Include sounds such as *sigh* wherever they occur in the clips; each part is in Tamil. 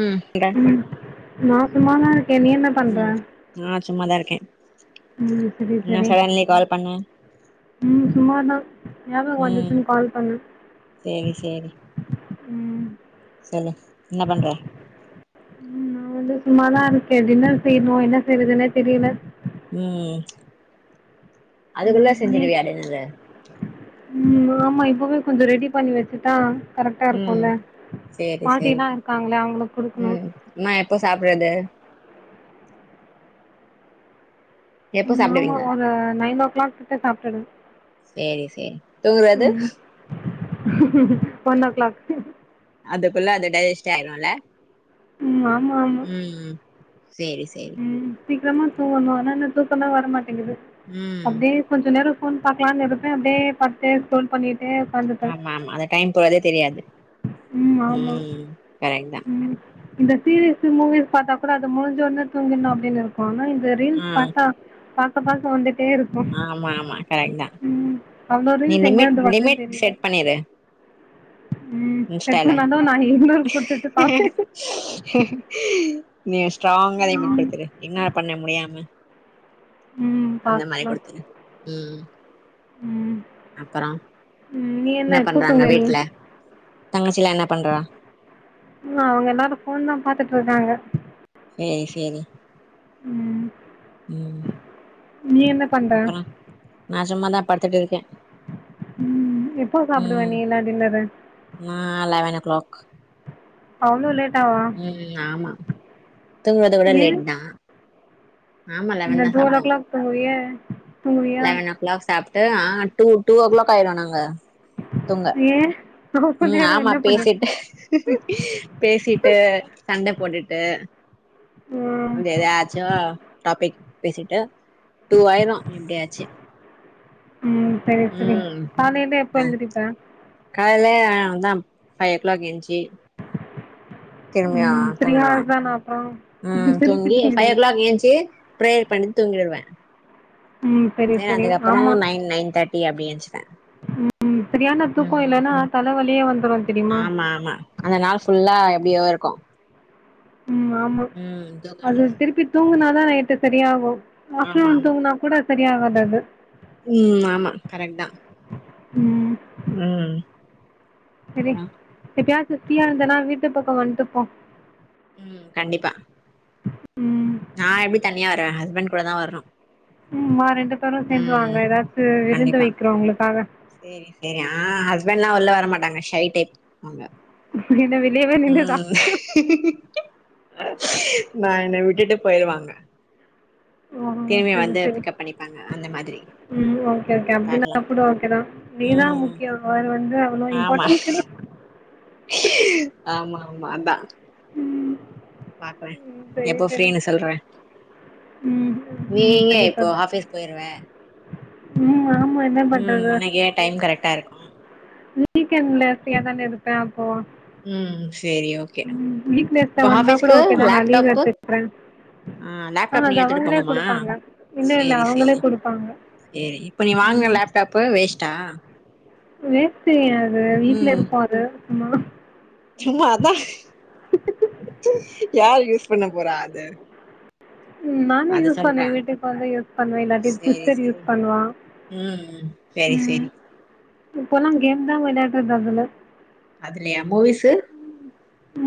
உம் டன் ம் நான் சும்மா தான் இருக் கேன் நீ என்ன பண்ணற சும்மாதான் இருக்கேன் உஹம் சரி சரி பண்ண உம் சும்ம தான் ஞாபகம் ம் வந்துச்சுன்னு கால் பண்ணேன் சேரி சேரி உம் சொல்லு என்ன பண்ற ம் நா வந்து சும்மாதான் இருக்கேன் டின்னர் செய்யணும் என்ன செய்றதுன்னே தெரியல உம் அதுக்குள்ளா செஞ்சுடுவிய டின்னரு உம் ஆமா இப்போவே கொஞ்சம் ரெடி பண்ணி வச்சுட்டான் உம் சேரி சேரி இருக்காங்கள அவங்களுக்கு குடுக்கணு உம் ம்மா எப்போ சாப்பிடுறது எப்போ உம் ஆமா சாப்டுவீங்க ஒரு நைன் ஓ கிளாக் கிட்ட சாப்ட்றது சேரி சேரி தூங்குறது உம் ம்ம்ம் ஒன் ஓ க்ளாக் அதுக்குள்ள அது டைஜெஸ்ட் ஆயிருல உம் ஆமா ஆமா சேரி சேரி ம். சீக்கிரமா தூங்கணும் ஆனா இந்த தூக்கம் வரமாட் *unintelligible* ம் அப்படியே கொஞ்சம் நேரம் போன் பாக்லாம்னு எடுத்தே அப்டியே பார்த்துடே ஸ்கோர்ல் பண்ணி ஆமா ஆமா அந்த டைம் போறதே தெரியாது ம் ஆமா. உம் கரெக்ட் தான் ம். இந்த சீரிஸு மூவிஸ் பார்த்தா கூட அது முடிஞ்ச ஒன்னே தூங்கினா அப்படின்னு இருக்குல இந்த ரீல்ஸ் ஆ பாத்தா பாத் பாக்க பாக்க வந்துட் ஆமா ஆமா கரெக்ட் தான் ம். அவ்ளோ நீ ரீல்ஸ் லிமிட் எங்கேருந்து வருதுன்னு லிமிட் தெரியல. செட் பண்ணிரு ம். செக் பண்ணாலும் நான் இக்னோர் குடுத்துட்டு பாப்பேன். இன்ஷ்டால ஸ்ட்ராங்கா லிமிட் ம். கொடுத்துரு இக்னொரு பண்ண முடியாம ம். அந்த மாரி கொடுத்துரு உம் உம் அப்பறோ உம் நீ என்ன எப்ப தூங்குற நீ தங்க அவங்க எல்லாரும் போன் தான் பாத்துட் *unintelligible* றாங்க சேரி சேரி உம் உம் பண்ற? அப்பறோ நான் சும்மாதான் படுத்துட்டு இருக்கேன் உம் எப்போ சாப்பிடுவே ம் நீல்லா டின்னர்ரு நா *inaudible* அவ்ளோ லேட் உம் ஆமா தூங்கறத ஊட ஏன்? லெட் தான் லெவன் ஓ கிளாக் *unintelligible* ஆ. சாப்ட்டு டூ ஓ கிளாக் ஆயிடும்ம் நாங்க தூங்க ஏன்? அவ்ளோ உம் நேரம் ஆமா என்ன பண்ணிருக்க? பேசிட்டு பேசிட் சண்டை போட்டுட்டு ம். அப்படிய எதாச்சும் டாபிக் பேசிட்டு. டூ ஆயிரு எப்படியாச்சு உம் சரி சரி காலைல எப்ப எழுதிப்ப காலையிலேந்தா ஃபைவ் ஓக்ளாக் எந்ச்சி திரும்பியா ம். தூங்கிடுவ ஹார்ஸ் தானா அப்புறம்? உஹம் திருப்பி தூங்கி ஃபைவ் ஓ தூங்கிடுவியா? கிளாக் ஏச்சு பிரேயர் பண்ணி தூங்கிடுவ. ம் சரி சரி ஆமா. அப்ப அப்படியே எந்ச்சி உம் சரியான தூக்கோ இல்லான்னா தலைவலி *unintelligible* ஆமா ஆமா அந்த நாள் ஃபுல்லா எப்படியோ இருக்கு ம் ஆமா ம் தூக்கோ அது இல்லனா திரும்பி தூங்கு பதா நைட்டு சரியாகு ஆப்ரோ வந்து தூங்குனா ந கூட சரியகாது அது. உம் ஆமா கரெக்ட் தா. உம். உம். *inaudible* ப்ரீயா இருந்தன்னா வீட்டு பக்கோ வந்துட்டுப்போ. உம் கண்டிப்பா. உம். நா எப்படி தனியா வர்வ ஹஸ்பண்ட் கூட தா வரணு. உம் வா ரெண்டு தம் ம் சேர்ந்துவாங்க ஏதாச்சு விருந்து கண்டிப்பா வைக்கிறோ உங்களுக்காக. ஹஸ்பண்ட்ல உள்ள வர மாட்டாங்க ஷை டைப். அ என்ன வெளியவே நின்னுதா உம் நான் என்ன விட் ட்டுட்டு போயருவாங்க. ஓ சரி சரி பண்ணிப்பாங்க அந்த மாதிரி உம் ஓகே ஓகே அப்படின்னா பாக்கலா கூட ஓகே தா நீதா ம் முக்கியோ அவர் வந்து அவ்வளவு ஆமா இம்பார்டன்ட் கிடைய. ஆமா ஆமா அதா ம் பாப்ப ம் சரி எப்போ சரி ஃப்ரீன்னு சொல்றே ம் நீ ம் எங்க சரி இப்போ சொல்றே ஹாஃபீஸ் போயிருவ ம் ஆ ம் உனக்கே டைம் கரெக்டா இருக்கு வீக் எண்ட்ல எப்பயா தான இருப்பே அப்போ ம் சேரி ஓகே ம் வீக் டேஸ்ல இப்போ வந்தா கூட ஆஃபீஸ்க்கு ஓகே தா நா லீவ் லேப்டாப்பு எடுத்துக்கிறே ஆ லேப்டாப் நீ அது எத்துட்டு அவங்களே போணுமா குடுப்பாங்க இல்ல இல்ல செரி அவங்களே செரி குடுப்பாங்க செரி இப்போ நீ வாங்குன லேப்டாப்பு வேஸ்ட்டா வேஸ்டு ஏ அ வீட்டுல ம் இருப்பாரு ஆமா சும்மா அதா யார் யூஸ் திண்ண போறா அது ம் நானும் அது யூஸ் சொல்றே பண்ணுவே வீட்டுக்கு வந்து யூஸ் பண்ணுவேன் இல்லாட்டி சேரி சிஸ்டர் சேரி யூஸ் பண்ணுவா ம் செரி செரி ம் இப்போலா கேம் தா வெளாடுறது அதுல அதுலயா மூவிஸு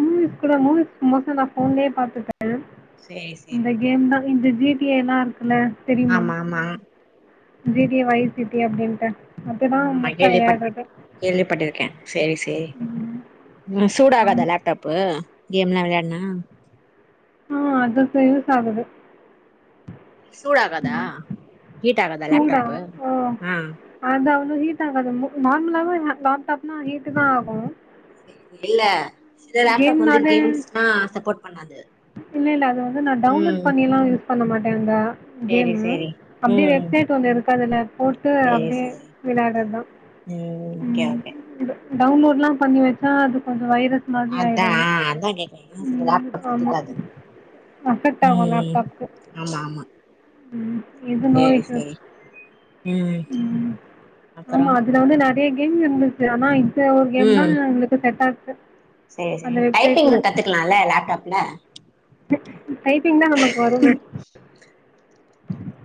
மூவிஸ் கூட மூவிஸ் மோஸ்ட்லி நா ஃபோன்லயே பாத்துப்பே சேரி செரி இது ஜி டி ஏ எல்லா இருக் அவள தெரியுமா ஆமா ஆமா G T A wise city அப்டின்ட்டு அதுதா ஆமா ஆமா மோஸ்டா வெளயாடுறது செரி செரி ம் சூடாகாதா ஆமா லேப்டாப்பு கேம்லா வெளயாட்னா ஆ அது இப்ப யூஸ் ஆகுது சூடாகாதா ஹீட் ஆகாதா சூடாவு லேப்டாப்பு ஓ ஆ அதா ஹி ஹீட் ஆகாது ந நார்மலாவே ல லேப்டாப்னா ஹீட்டு தா ஆகு செ இது இல்ல சில லேப்டாப் வந்து கேம்னாலே கேம்ஸ்க்லா சப்போர்ட் பண்ணாது இல்ல இல்ல அது வந்து நா டவுன்லோட் ம் பண்ணியெல்லா யூஸ் பண்ண மாட்டேந்தா சேரி கேமு சேரி அப்டியே ம் வெப்சைட் வந்தருக் தன்னுனத் போட்டு சேரி அப்டியே சேரி விளையாடுறதுதா ஓகே ம் ஓகே டவுன்லோட் எல்லா பண்ணி வச்சா அது கொஞ்சோ வைரல் அதா அதா கேக்குரேன் ம் ஆமா அஃபெக்ட் *inaudible* உம் ம் ஆமா ஆமா உம் ஏது நோய்சு உம் அப்புறொ எங்க இருந்துச்சு ஆனா இங் இத்ல ஒரு கேம் தா உங்களுக்கு செட் ஆகொ சேரி சேரி டைப்பிங் கத்துக்கலால்ல லேப்டாப்ல டைப்பிங் தா நமக்கு வருங்க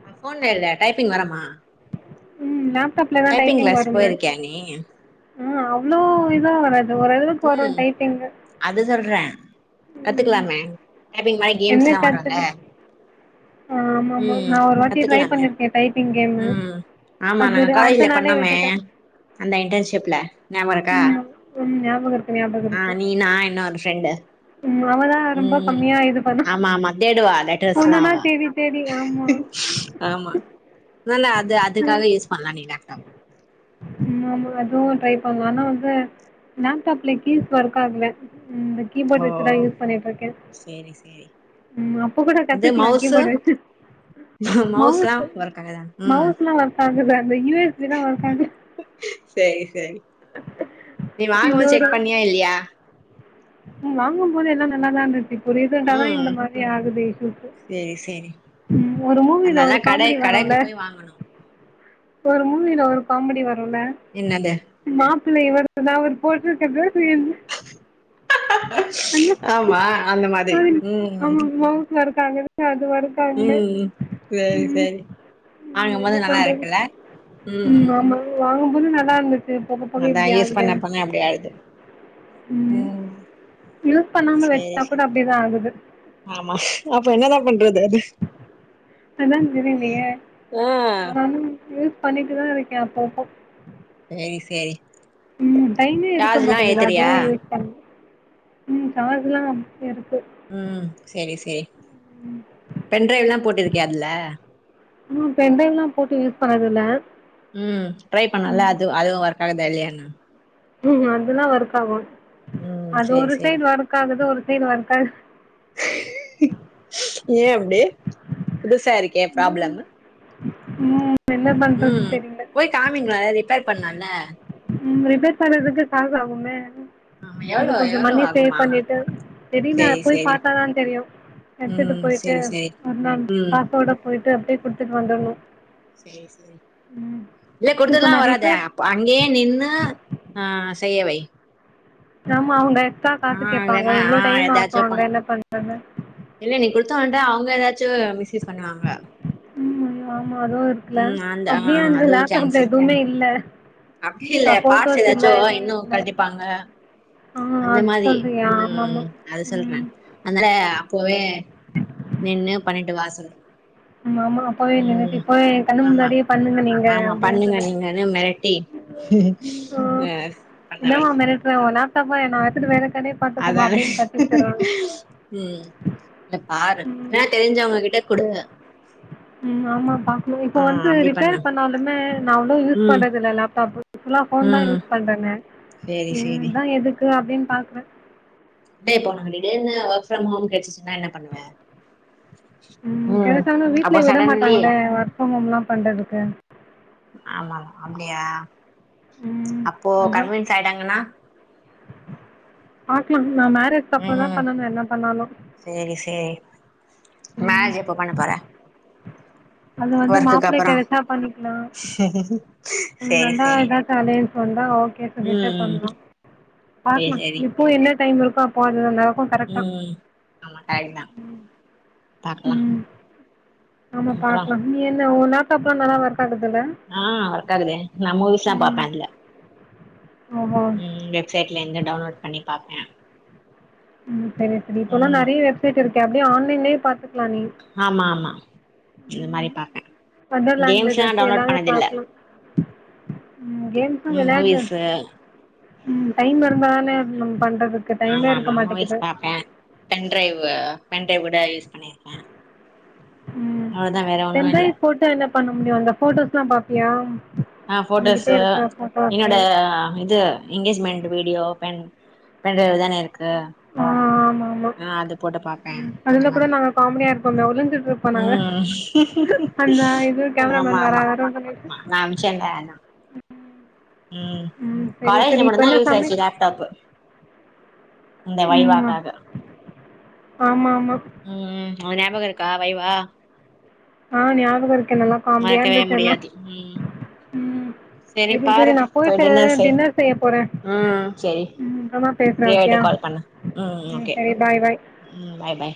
ஆ ஃபோன்ல இல்ல டைப்பிங் வரமா ம் நப் ப்டாப்ல தா டைப்பிங் வருங்க போயிருக்கியா நீ ம் அவ்ளோ இதா வராது அது ஓரளவுக்கு வரொ ம் டைப்பிங்கு அது சொல்றே ம் கத்துக்கலாமே டைப்பிங் மாரி என்ன கேம்ஸ்லா வரொல்ல கத்துக்கு ஆ ஆமாமா உம் நான் ஒரு வாட்டி ட்ரை கத்துக்கலாங்க பண்ணிருக்கேன் டைப்பிங் கேமு உம் ஆமா அது நாங்க காலேஜ்ல அடுத்த நாளே பண்ணமே விட்டுட்டேன் அந்த இன்டன்ஷிப்ல நியாபொ இருக்கா ம் ம் ஞாபகம் இருக்கு ஞாபகம் ஆ இருக்கு நீ நா இன்னொரு ஃப்ரெண்டு ம் அவதான் ரொம்ப உம் கம்மியா இது பண்ணா ஆமா ஆமா தேடுவா லெட்ரஸ்லா ஒன்னொன்னா அவ தேடி தேடி ஆமா அத்னால அது அதுக்காக யூஸ் பண்ணலா நீங்க லேப் ப லேப்டாப்ல கீஸ் ஒர்க் ஆகல ம் இந்த கீபோர்டு ஓ வச்சு தான் யூஸ் பண்ணிட்ருக்கே சேரி சேரி ம் அப்ப கூட இது கத்துக்லா மவுசு கீபோர்டு வச்சு மௌ மவுஸ்லா ஒர்க் ஆகாதா *inaudible* மௌ ம் *unintelligible* அந்த யு எஸ் பி லா சேரி சேரி *unintelligible* நீ வாங்போது செக் பண்ணியா இல்லையா உம் வாங்கும் போது எல்லா நல்லாதாருந் இப்போ ரீசண்டாதான் ம் இந்த மாதிரி ஆகுது இஸ்யூஸ்ஸு சேரி சேரி ஒரு மூவில அதனால ஒரு கடை காமெடி வருல கடைக்கு போய் வாங்கணு ஒரு மூவில ஒரு காமெடி வ உள்ள என்னது மா இல்ல இ நா ஒரு போட்டிருக்கிறது *unintelligible* அந்த ஆமா அந்த மாதிரி உம் ச இருக்காங்க *unintelligible* து வருக்காங்க சேரி சேரி உம் என்ன வாங்கும்போது நல்லா பண்றது இருக்குல்ல ம் உம் ஆம வாங்க ம் நல்லா இருந்து அதா யூஸ் பண்ண பண்ண அப்டி ஆகுது ம் யூஸ் பண்ணாம சேரி வச்சா கூட சேரி அப்டிதா ஆகுது ஆமா அப்ப என்னதா பண்றது அது அதா தெரியிலையே ஆ ஆனாலும் யூஸ் பண்ணிட்டுதா இருக்கே அப்பப்போ சேரி சேரி உம் டயமே இருக்க சார்ஜ்லா மாட்டேங்குது ஏத்துறியா அதுவும் யூஸ் பண் *inaudible* உம் சார்ஜ்ல்லாம் இருக்கு உம் செரி செரி பென்டிரைவ்லாம் போட்டிருக்கியா அதுல உம் பெண்டிரைவ்லாம் போட்டு யூஸ் பண்ணதுல்ல ம் ட்ரை பண்ணல அது அதுவும் வரு தாகுதா இல்லயான ம் அதெல்லா ஒர்க் ஆகும் ம் அது சேரி ஒரு சேரி சைடு வொர்க்காகுது ஒரு *unintelligible* ஏ அப்டி புதுசா இருக்கே ப்ராப்ளம்மு மூ உம் போய் காமிங்ளெ ரிப்பேர் பண்ணால்ல உம் ரிப்பேர் பண்றதுக்கு காசு ஆகுமே ஆமா அது எவ்ளோ கொஞ்சோ எவ்ளோ மணி சேவ் ஆகுமா பண்ணிட்டு தெரின சேரி போய் சேரி பாத்தா தா தெரியொ எட்துட்டு ம் போயிட்டு சேரி சேரி ஒரு நாள் ம் காசோட போய் போய்ட்டு அப்டியே குடுதுட் வந்துர்ணு சேரி சேரி இல்ல இப்போ குடுத்தத்ல்லா நான் வராது ரிப்பேர் அப்ப அன் அங்கே நின்னு ஆ செய்யவை ஆமா அவங்க கா காசு கேப்பாங்க வேணா எவ்ளோ ஆ டைம் ஏதாச்சுப்பா ஆக்வாங்க என்ன பண்றது *unintelligible* வண்ட அவங்க ஏதாச்சு மிஸ் யூஸ் பண்ணுவாங்க ம் ஐயோ ஆமாம் அதுவும் இருக்குல்ல உம் அந்த அப்படியே ஆஹ் அந்த அதுவு சான்ஸ் லேப்டாப்பில் இருக்கு எதுவுமே இல்லை அப்டி இல்ல பாட்ஸ் ஃபோட்டோஸ் ஏதாச்சோ இல்லை எதுவும் இன்னு இல்லை கழட்டிபாங்க ஆ அந்த அது மாரி சொல்கிறியா ஆமாம் உம் ஆமாம் அது சொல்றன் ம் அதுனால போயு நின்னு பன்னிட்டு வா ஆம்மாமா அப்பவே நின்ட்டு ம் இப்பவே கண்ண ஆமா முன்னாடியே பண்ணுங்க நீங்க ஆமா அப்டின்னு பண்ணுங்க சொல்லிட்டு நீங்கன்னு மிரட்டி என்ன ஆஹ் அ பண்ண என்னமா மிரட்டுற உன் *unintelligible* அதான அப்டின்னு கத்தி விட்டுறாங்க உம் இல்ல பாரு ஏன தெரிஞ்சவங்ககிட்ட குடு உம் ஆமா பாக்ணு இப்ப ஆ வந்து அப்டி ரிப்பேர் பண்ணு பண்ணாலுமே நா அவ்ளோ யூஸ் ம் பண்றது இல்லல லேப்டாப் புல்ல போன் தா ம் யூஸ் பண்றங்க சேரி இது சேரி தா எதுக்கு அப்டின்னு பாக்ற இப்பே போனு திடீர்னு அவசரமாம் கேட்ச்சுன்னா என்ன பண்ணுவ உம் ம் கெடச்சாங்கன்னா அப்போ வீட்ல விட சடன்லி மாட்டாங்ளே ஒர்க் ஃப்ரம் ஹோம் எல்லா பண்றதுக்கு ஆமாம்மா அப்டியா ம் அப்போ அதா கன்வின்ஸ் ஆயிடாங்கன்னா பாக்லா நா மேரேஜ்க் அப்புற தா ம் பண்ணனு என்ன பண்ணாலு சேரி சேரி மேரேஜ் எப்ப பண்ண போற அது வந்து ஒர்க்குக்கு மாப்பிள அப்பறோ கெடச்சா பண்ணிகலா உம் சேரி நல்லா சேரி ஏதா காலேஜ் உண்டா ஓ *unintelligible* ம் பண்லா சேரி பாக்லா இப்போ என்ன டைம் இருக்கோ அப்போ அது கரெக்டா உம் ஆமா அட்னா பாக்கலா ஆமா பாக்கலா நீ என் நா உன்னாட்டோ *unintelligible* ஆஹ் வர்க் ஆகுதே நா மூவிஸ்ல்லா ம் பாப்பே அதுல ஓஹோ உம் வெப்சேட்லேந் ந்து டவுன்லோட் பண்ணி பாப்பே உம் சரி சரி இப்போல்லா ம் நெறைய வெப்சைட் இருக்கு அப்படியே ஆன்லைன்லையே பாத்து ஆமா ஆமா இந்த மாரி பாப்பே அதர் கேம்ஸ்லா லேங்வேஜஸ் டவுன்லோட் எல்லாமே பண்ணது இல்ல பாக்கலா உம் கேம்ஸ்ஸு ம் வெளாட் மூவிஸு உம். டைம் இருந்தானே மூவிஸ் தா நம் பண்றதுக்கு டைமே ஆமா இருக்க ஆமா மூவிஸ் மாட்டேக்கிது பாப்பே பென்டிரைவ் பென்டிரைவ் கூட யூஸ் பண்ணிருக்கேன் ம் அவ்ளோதா வேற ஒண்ணு இல்ல வெந்தய போட்டு என்ன பண்ண முடியு அந்த போட்டோஸ்ல்லா பாப்பியா ஆஹ் நம்மகிட்ட போட்டோஸ்ஸு இருக்க போட்டோஸு என்னோட இது எங்கேஜ்மெண்ட் வீடியோ பெண் பெண்டிரைவ் தானே இருக் கு ஆ ஆமா ஆமா ஆஹ் அது போட்டு பாப்பேன் ம் அந்த அதுல கூட மாதிரி நாங்க *unintelligible* நாங்க உம் ஹ்ஹுஹு அந்த இது ஆமா கேமராமேன் வரா ஆமா வரோன்னு சொல்லிட்டு நா அம்ச்சேல்ல அதா உம் ம் சரி சரி காலேஜ்லே இப்ப மட்டுன்தா என்ன யூஸ் சமைக் ஆய்ச்சு லேப்டாப்பு இந்த ம் வைவாக்காக ஆமா ஆமா உம் உம் ஆ ஞாபக இருக்கா வைவா ஆஹ் ஞாபக இருக்கே நல்லா காமெடியா மறக்கவே இருந்துச்சு எல்லா முடியாது ம் உம் செரி பாரு, போய் டின்னர் செய். செய்ய போறே உம் செரி ம் அப்றமா ஃப்ரீ பேசுறே ஆய்ட்டு ஓகேயா கால் பண்ணு. உம் ம் ஓகே சரி பாய் பாய் உம் பாய் பாய்